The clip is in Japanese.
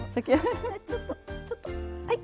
ちょっとちょっとはい！